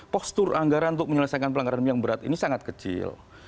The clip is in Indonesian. postur anggaran untuk menyelesaikan pelanggaran ham yang berat ini sangat kecil